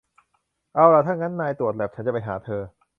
เอาล่ะ ถ้างั้นนายตรวจแลป ฉันจะไปหาเธอ